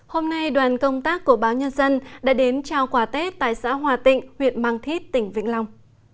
hôm nay đoàn công tác của báo nhân dân đã đến trao quà tết tại xã hòa tịnh huyện mang thít tỉnh vĩnh long